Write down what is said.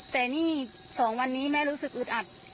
แต่นี่๒วันนี้แม่รู้สึกอึดอัด